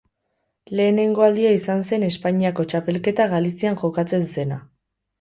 Lehenengo aldia izan zen Espainiako txapelketa Galizian jokatzen zena.